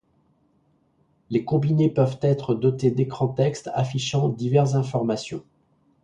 Les combinés peuvent être dotés d'écrans texte affichant diverses informations.